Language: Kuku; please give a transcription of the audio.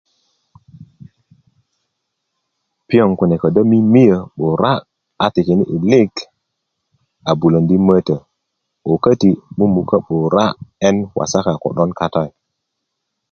piöŋ kune kodo mimiyo 'bura a bulöndi mötö ko köti ti muköni mukö 'bura 'ben wasaka ku 'don kata yu